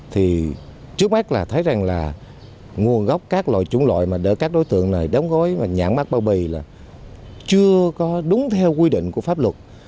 trước mắt là thấy rằng là nguồn gốc các loại chúng loại mà đỡ các đối tượng này đóng gói và nhãn mát bao bì là chưa có đúng theo quy định của pháp luật